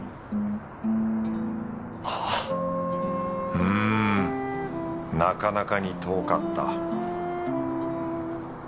うんなかなかに遠かった